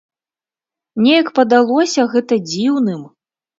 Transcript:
Неяк падалося гэта дзіўным.